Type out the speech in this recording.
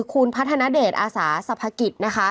คุณพัฒนาเดชอาสาสภกิษ